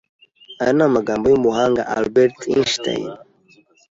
Aya ni amagambo y’umuhanga Albert Einstein